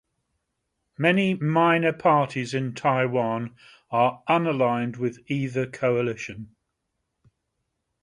Many minor parties in Taiwan are unaligned with either coalition.